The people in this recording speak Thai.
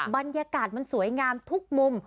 บรรยากาศมันสวยงามทุกมุม